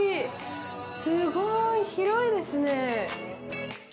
すごい広いですね。